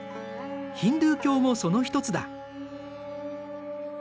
ヒンドゥー教もその一つだ。